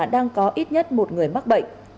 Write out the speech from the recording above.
đang có ít nhất một người mắc bệnh